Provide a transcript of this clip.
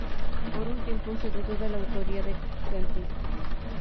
Por un tiempo se dudó de la autoría de Kempis.